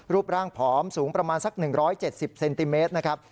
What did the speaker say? รูปร่างผอมสูงประมาณสักหนึ่งร้อยเจ็ดสิบเซนติเมตรนะครับ